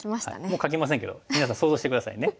もう描きませんけど皆さん想像して下さいね。